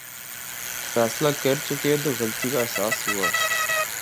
فیصلہ کرچکے تو غلطی کا احساس ہوا۔